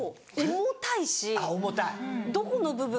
重たい。